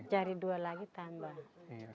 cari dua lagi tambah